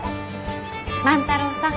万太郎さん。